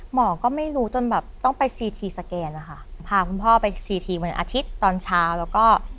หมอก็ไม่รู้จนแบบต้องไปซีทีสแกนนะคะพาคุณพ่อไปซีทีวันอาทิตย์ตอนเช้าแล้วก็